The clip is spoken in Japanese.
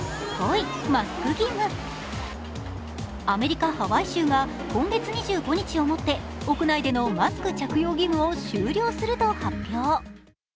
アメリカ・ハワイ州が今月２５日をもって屋内でのマスク着用義務を終了すると発表。